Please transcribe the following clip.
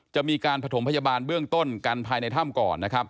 จะมีการผศมพโยบารเบื้องต้นการภายในถ้ำก่อน